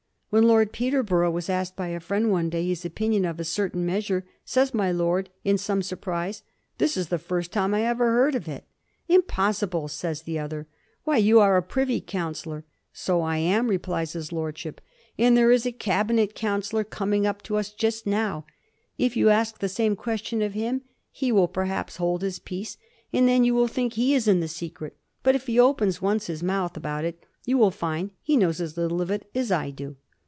"When Lord Peterborough was asked by a friend one day his opinion of a certain measure, says my lord, in some surprise, 'This is the first time I ever heard of it.' * Impossible,' says the other; *why, you are a privy councillor.' *So I am,' replies his lordship, 'and there is a Cabinet councillor coming up to us just now ; if you ask the same question of him he will perhaps hold his peace, and then you will think he is in the secret ; but if he opens once his mouth about it you will find he knows as little of it as I do.'